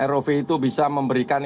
rov itu bisa memberikan